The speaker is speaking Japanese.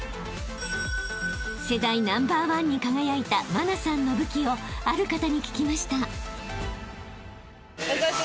［世代ナンバーワンに輝いた茉奈さんの武器をある方に聞きました］